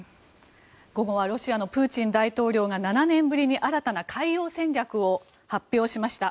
午後はロシアのプーチン大統領が７年ぶりに新たな海洋戦略を発表しました。